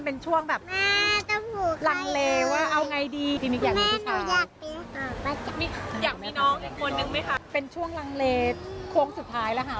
เป็นช่วงลังเลควงสุดท้ายแล้วค่ะ